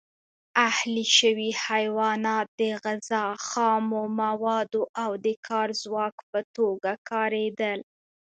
اهلي شوي حیوانات د غذا، خامو موادو او د کار ځواک په توګه کارېدل.